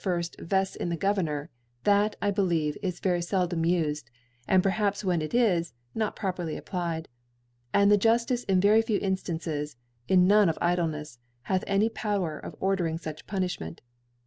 vcfts in the Go^ vernor, that, I believe, is very feldom ufed, and perhaps when it is, not properly applied. And the Juftice in very few In fiances fm none of Idlenefs) hath any Power of ordering fuch Punifliment §.